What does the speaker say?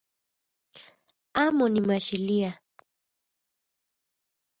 Amo nimajxilia